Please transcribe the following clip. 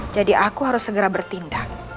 jadi aku harus segera bertindak